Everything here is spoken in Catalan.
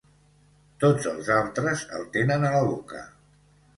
Tots els altres el tenen a la boca.